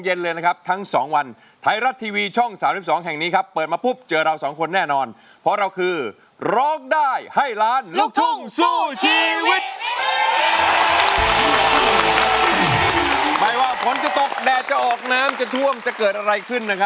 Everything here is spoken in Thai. หมายถึงว่าผลจะตกแดดจะออกแนมจะถ่วมจะเกิดอะไรขึ้น